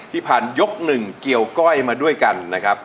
ที่ผ่านยก๑เกี่ยวก้อยมาด้วยกันนะครับ